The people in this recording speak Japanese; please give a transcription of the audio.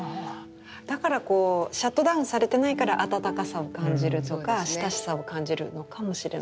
だからこうシャットダウンされてないから暖かさを感じるとか親しさを感じるのかもしれないですね。